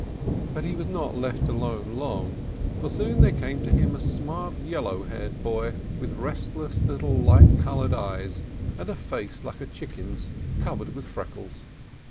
But he was not left alone long, for soon there came to him a smart, yellow haired boy, with restless little light colored eyes, and a face like a chicken's, cov ered with freckles.